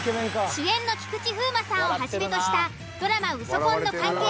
主演の菊池風磨さんをはじめとしたドラマ「ウソ婚」の関係者